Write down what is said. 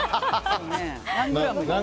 何グラム？